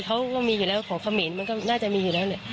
เขาก็มีอยู่แล้วของเขมรมันก็น่าจะมีอยู่แล้วเนี่ย